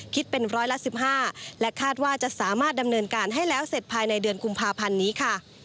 คิดเป็นร้อยละ๑๕และคาดว่าจะสามารถดำเนินการให้แล้วเสร็จภายในเดือนกุมภาพันธ์นี้ค่ะ